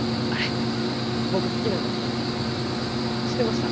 あっ知ってました？